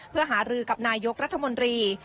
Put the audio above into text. เพื่อหารือกับนายกรัฐมนตรี